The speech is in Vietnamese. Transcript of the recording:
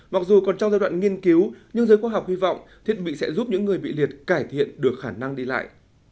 mặc dù còn trong giai đoạn nghiên cứu nhưng giới khoa học hy vọng thiết bị sẽ giúp những người bị liệt cải thiện được khả năng đi lại